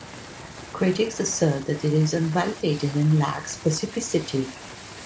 Critics assert that it is unvalidated and lacks specificity.